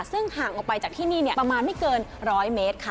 ซึ่งห่างออกไปจากที่นี่ประมาณไม่เกิน๑๐๐เมตรค่ะ